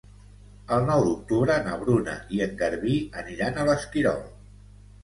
El nou d'octubre na Bruna i en Garbí aniran a l'Esquirol.